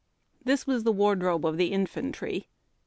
This was the wardrobe of the infan try.